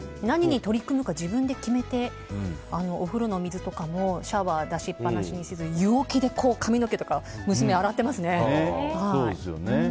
何に取り組むか自分で決めてお風呂の水とかもシャワー出しっぱなしにせず湯桶で髪の毛を洗ってますね。